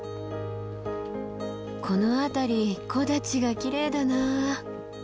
この辺り木立がきれいだな。